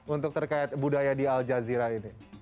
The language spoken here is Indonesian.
untuk terkait budaya di aljazeera ini